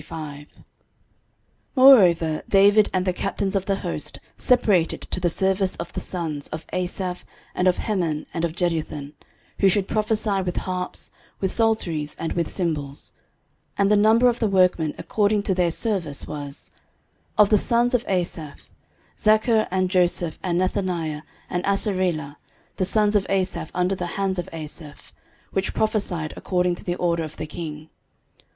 13:025:001 Moreover David and the captains of the host separated to the service of the sons of Asaph, and of Heman, and of Jeduthun, who should prophesy with harps, with psalteries, and with cymbals: and the number of the workmen according to their service was: 13:025:002 Of the sons of Asaph; Zaccur, and Joseph, and Nethaniah, and Asarelah, the sons of Asaph under the hands of Asaph, which prophesied according to the order of the king.